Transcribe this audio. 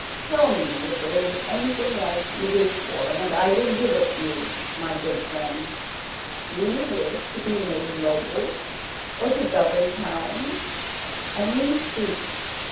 Tell me if there is anything else you wish for and I will give it you, my good friends. Do you wish to be made nobles, or to govern towns? Only speak."